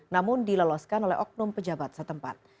namun diloloskan oleh oknum pejabat setempat